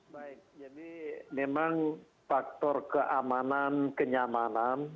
baik jadi memang faktor keamanan kenyamanan